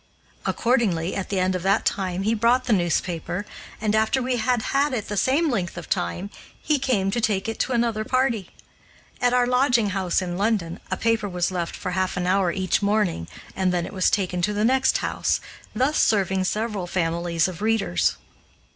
Accordingly, at the end of that time, he brought the newspaper, and, after we had had it the same length of time, he came to take it to another party. At our lodging house in London, a paper was left for half an hour each morning, and then it was taken to the next house, thus serving several families of readers.